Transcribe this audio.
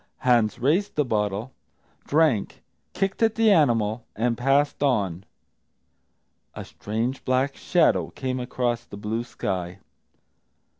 Hans raised the bottle, drank, kicked at the animal, and passed on. A strange black shadow came across the blue sky.